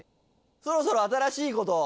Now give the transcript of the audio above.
そろそろ新しいことを。